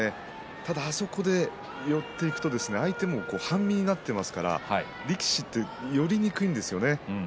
ただ、そこで寄っていくと相手も半身になっていますから力士は寄りにくいんですよね。